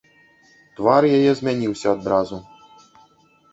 Твар яе змяніўся адразу.